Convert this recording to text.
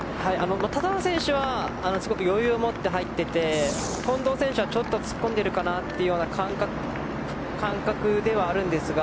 田澤選手はすごく余裕を持って入ってて近藤選手はちょっと突っ込んでいるかなという感覚ではあるんですが